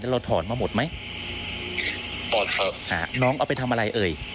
รถรับใช้หนี้